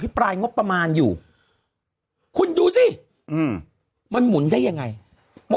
วดปอิฉรามประมาหอยู่คุณดูซิอืมมันหมุนได้ยังไงเมื่อ